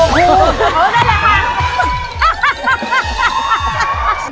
เออนั่นแหละค่ะ